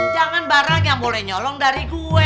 jangan barang yang boleh nyolong dari gue